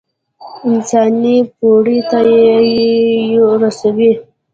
انساني پوړۍ ته يې رسوي.